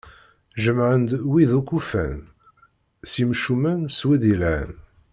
Jemɛen-d wid akk ufan, s yemcumen, s wid yelhan.